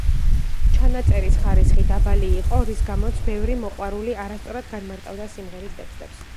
ჩანაწერის ხარისხი დაბალი იყო, რის გამოც ბევრი მოყვარული არასწორად განმარტავდა სიმღერის ტექსტებს.